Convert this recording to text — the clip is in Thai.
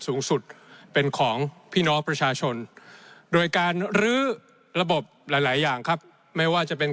สูงสุดเป็นของพี่น้องประชาชนโดยการรื้อระบบหลายหลายอย่างครับไม่ว่าจะเป็น